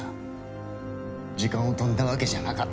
時間を飛んだわけじゃなかった。